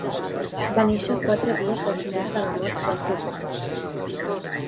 Va néixer quatre dies després de la mort del seu pare.